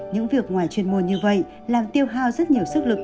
những việc ngoài chuyên môn như vậy làm tiêu hao rất nhiều sức lực